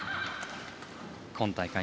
今大会